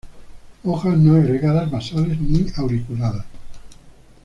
Hojas no agregadas basales; ni auriculadas.